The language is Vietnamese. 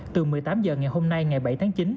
từ một mươi tám h ngày hôm nay ngày bảy tháng chín